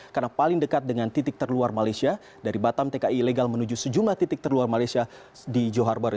karena paling dekat dengan titik terluar malaysia dari batam tki ilegal menuju sejumlah titik terluar malaysia di johor baru